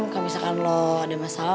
kalau misalkan lo ada masalah